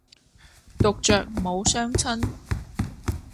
獨酌無相親。